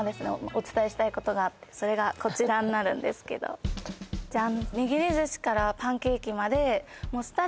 お伝えしたいことがあってそれがこちらになるんですけどジャン！